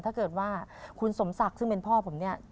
ถ้าเกิดว่าคุณสมศักดิ์ซึ่งเป็นพ่อผมเนี่ย